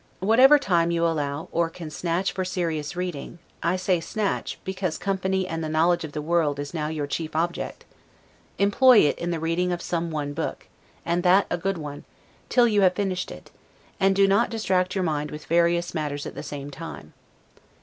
Whatever time you allow, or can snatch for serious reading (I say snatch, because company and the knowledge of the world is now your chief object), employ it in the reading of some one book, and that a good one, till you have finished it: and do not distract your mind with various matters at the same time.